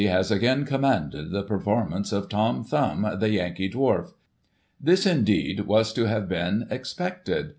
has again commanded ' the performances of Tom Thumb, the Yankee Dwarf.' Thisy indeed, was to have been expected.